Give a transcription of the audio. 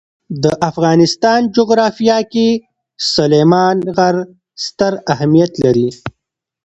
د افغانستان جغرافیه کې سلیمان غر ستر اهمیت لري.